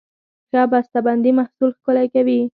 ښه بسته بندي محصول ښکلی کوي.